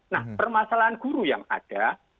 nah permasalahan guru yang ada